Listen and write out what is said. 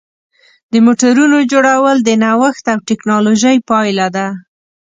د موټرونو جوړول د نوښت او ټېکنالوژۍ پایله ده.